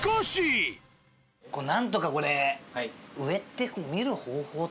何とかこれ。